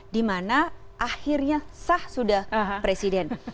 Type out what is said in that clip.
dimana akhirnya sah sudah presiden